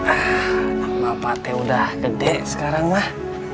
ah nama pak teh udah gede sekarang lah